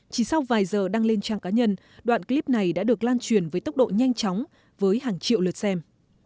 chỉ sau vài giờ đăng lên trang cá nhân đoạn clip này đã được lan truyền với tốc độ nhanh chóng với hàng triệu lượt xem